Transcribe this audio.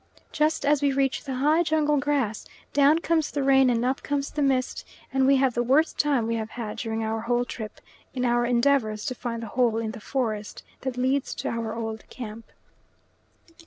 Just as we reach the high jungle grass, down comes the rain and up comes the mist, and we have the worst time we have had during our whole trip, in our endeavours to find the hole in the forest that leads to our old camp.